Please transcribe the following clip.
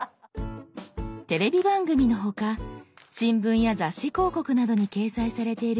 テレビ番組の他新聞や雑誌広告などに掲載されている